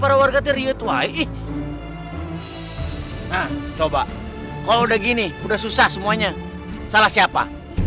para warga teriak tuai coba kok udah gini udah susah semuanya salah siapa